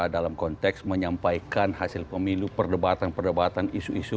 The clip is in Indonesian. dalam konteks menyampaikan hasil pemilu perdebatan perdebatan isu isu